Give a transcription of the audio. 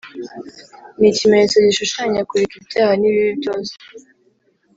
ni ikimenyetso gishushanya kureka ibyaha n’ibibi byose